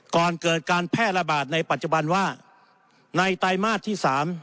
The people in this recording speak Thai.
ก่อนเกิดการแพร่ระบาดในปัจจุบันว่าในไตรมาสที่๓